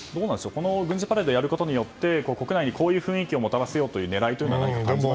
この軍事パレードをやることで国内にこういう雰囲気をもたらそうとか狙いというのは感じますか？